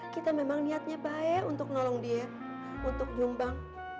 kita memang niatnya baik untuk nolong dia untuk jumbang